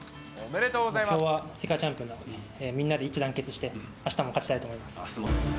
目標は世界チャンピオンなので、みんなで一致団結して、あしたも勝ちたいと思います。